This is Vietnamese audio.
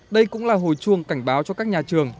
đây cũng là hồi chuông cảnh báo cho các nhà trường